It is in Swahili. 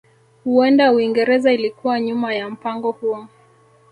Huenda Uingereza ilikuwa nyuma ya mpango huo